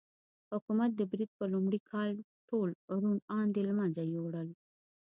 حکومت د برید په لومړي کال ټول روڼ اندي له منځه یووړل.